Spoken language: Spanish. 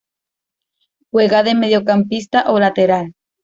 Juega de mediocampista o lateral.